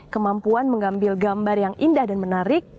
kemampuan mengambil gambar yang indah dan menarik